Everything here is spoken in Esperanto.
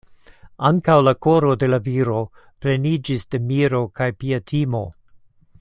Ankaŭ la koro de la viro pleniĝis de miro kaj pia timo.